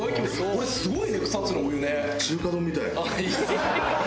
これすごいね草津のお湯ね。